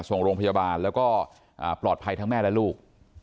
ส่งโรงพยาบาลแล้วก็ปลอดภัยทั้งแม่และลูก